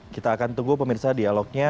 kita akan tunggu pemirsa dialognya